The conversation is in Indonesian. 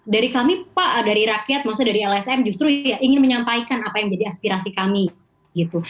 dari kami pak dari rakyat maksudnya dari lsm justru ingin menyampaikan apa yang menjadi aspirasi kami gitu